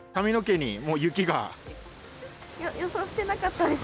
予想してなかったです。